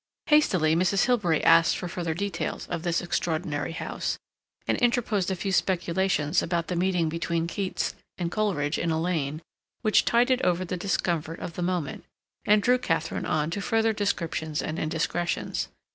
Hastily Mrs. Hilbery asked for further details of this extraordinary house, and interposed a few speculations about the meeting between Keats and Coleridge in a lane, which tided over the discomfort of the moment, and drew Katharine on to further descriptions and indiscretions.